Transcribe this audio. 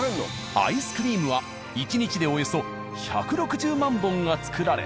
アイスクリームは１日でおよそ１６０万本が作られ。